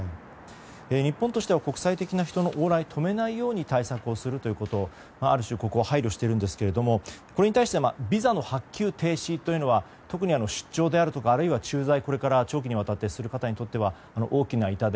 日本としては国際的な人の往来を止めないように対策をするということである種、ここは配慮しているんですけれどもそれに対してビザの発給停止というのは特に出張であるとかあるいは、これから駐在を長期にわたってする方にとっては大きな痛手。